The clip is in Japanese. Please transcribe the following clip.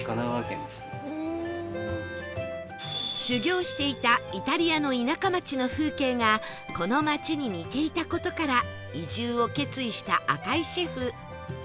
修業していたイタリアの田舎町の風景がこの街に似ていた事から移住を決意した赤井シェフ